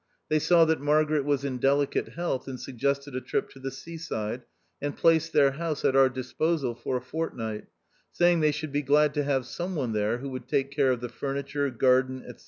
They saw that Margaret was in delicate health, and suggested a trip to the sea side, and placed their house at our disposal for a fort night, saying they should be glad to have some one there who would take care of the furniture, garden, &c.